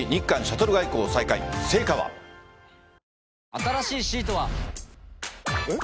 新しいシートは。えっ？